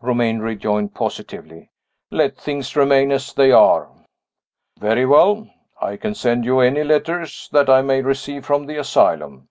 Romayne rejoined, positively. "Let things remain as they are." "Very well. I can send you any letters that I may receive from the asylum.